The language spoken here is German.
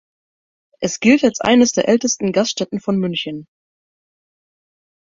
Es gilt als eines der ältesten Gaststätten von München.